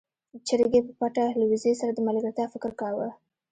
چرګې په پټه له وزې سره د ملګرتيا فکر کاوه.